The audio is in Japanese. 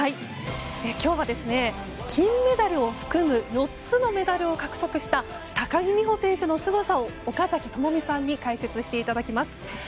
今日は、金メダルを含む４つのメダルを獲得した高木美帆選手のすごさを岡崎朋美さんに解説していただきます。